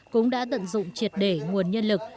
cũng đã tận dụng triệt để nguồn nhân lực